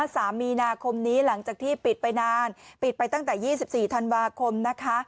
สามมีนาคมนี้หลังจากที่ปิดไปนานปิดไปตั้งแต่ยี่สิบสี่ธันวาคมนะคะ